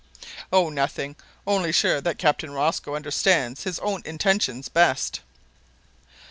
"Oh! nothing only sure that Captain Rosco understands his own intentions best."